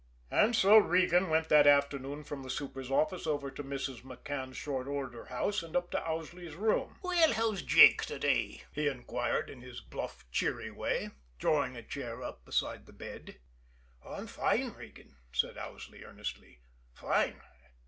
And so Regan went that afternoon from the super's office over to Mrs. McCann's short order house, and up to Owsley's room. "Well, how's Jake to day?" he inquired, in his bluff, cheery way, drawing a chair up beside the bed. "I'm fine, Regan," said Owsley earnestly. "Fine!